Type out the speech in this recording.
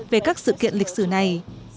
về các sự kiện lịch sử này